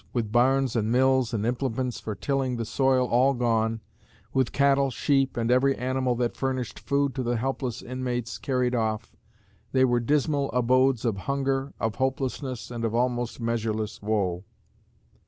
With barns and mills and implements for tilling the soil all gone, with cattle, sheep, and every animal that furnished food to the helpless inmates carried off, they were dismal abodes of hunger, of hopelessness, and of almost measureless woe.